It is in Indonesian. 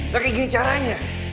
gak kayak gini caranya